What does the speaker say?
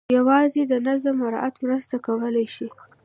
یوازې د نظم مراعات مرسته کولای شي.